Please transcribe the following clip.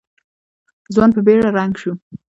ځوان په بېړه رنګ شو.